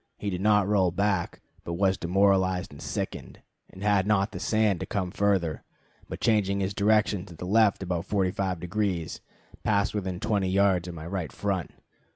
He did not roll back, but was demoralized and sickened, and had not the sand to come further, but changing his direction to the left about forty five degrees, passed within twenty yards of my right front.